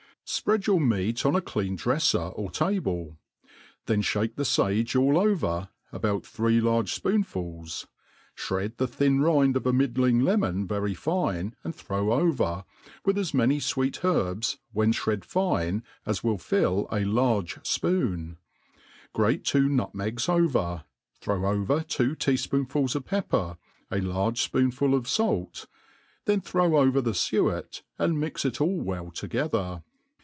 Spread your meat on a clean drefler or table ; then (bake the fage all over, about three large fpoon* fuls ; (hred the thin rind of a middling lemon very fine and throw over, with as many fweet herbs, when fhred fine, as will fill a large fpoon ; grate two nutmegs over, throw over two tea fpoonnils of pepper, a large fpoonful of fait, then throw over the fuet, and mix it all well together.